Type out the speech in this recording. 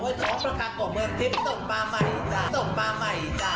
โหโฮโทพระครางกล่อเมืองพิปส่งมาใหม่จ่า